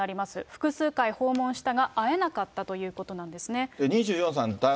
複数回訪問したが会えなかったということなんですね。